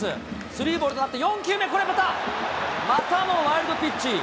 スリーボールとなって４球目、これ、またもワイルドピッチ。